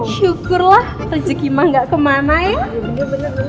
syukurlah rezeki mah gak kemana ya